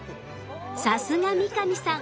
さすが三上さん！